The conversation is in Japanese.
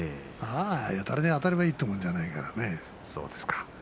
やたらとあたればいいというもんじゃないからね。